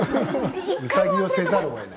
ウサギをせざるをえない。